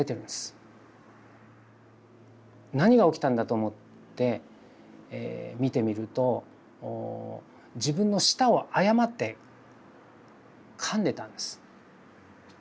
何が起きたんだと思って見てみると自分の舌を誤ってかんでたんです。